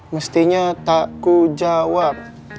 mestinya tak ku jawab